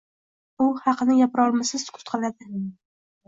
U haqni gapirolmasa sukut qiladi.